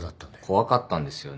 怖かったんですよね